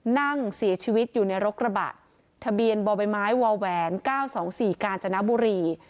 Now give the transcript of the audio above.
นั่งเสียชีวิตอยู่ในรกระบะทะเบียนบ่อใบไม้วแหวน๙๒๔กาญจนบุรี